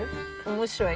面白い。